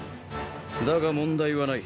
だが問題はない。